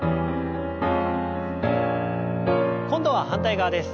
今度は反対側です。